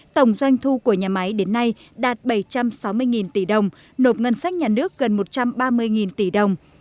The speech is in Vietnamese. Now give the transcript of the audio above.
tổng doanh thu của nhà máy đến nay đạt bảy trăm sáu mươi tỷ đồng nộp ngân sách nhà nước gần một trăm ba mươi tỷ đồng